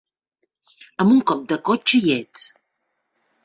Amb un cop de cotxe hi ets.